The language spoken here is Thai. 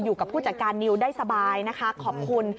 อยู่กับผู้จัดการนิวได้สบายนะคะขอบคุณ